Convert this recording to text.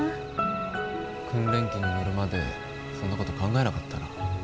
訓練機に乗るまでそんなこと考えなかったな。